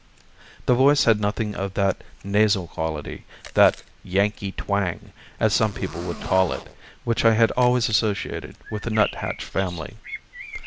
The voice had nothing of that nasal quality, that Yankee twang, as some people would call it, which I had always associated with the nuthatch family.